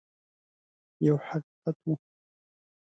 یو حقیقت وو.